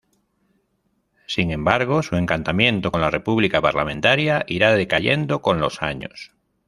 Sin embargo, su encantamiento con la República Parlamentaria irá decayendo con los años.